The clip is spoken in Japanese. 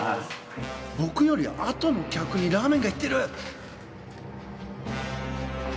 僕よりあとの客にラーメンが行ってる。